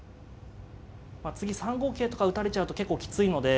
次３五桂とか打たれちゃうと結構きついので。